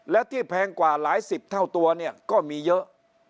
และที่แพงกว่าหลายสิบเท่าตัวเนี่ยก็มีเยอะ